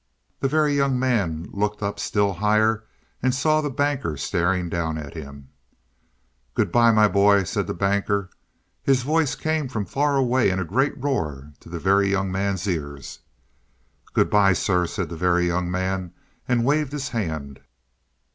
The Very Young Man looked up still higher, and saw the Banker staring down at him, "Good by, my boy," said the Banker. His voice came from far away in a great roar to the Very Young Man's ears. "Good by, sir," said the Very Young Man, and waved his hand.